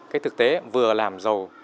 cái thực tế vừa làm giàu